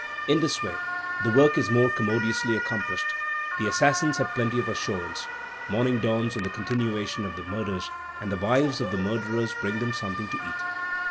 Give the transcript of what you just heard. In this way the work is more commodiously accomplished. The assassins have plenty of assurance. Morning dawns on the continuation of the murders, and the wives of the murderers bring them something to eat.